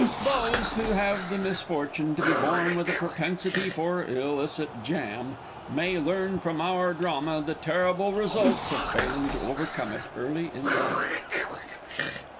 Those who have the misfortune to be born with a propensity for illicit jam, may learn from our Drama the terrible results of failing to overcome it early in life.